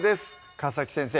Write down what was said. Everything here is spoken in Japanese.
川先生